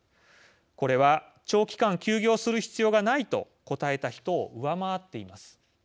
これは長期間、休業する必要がないと答えた人を上回っています。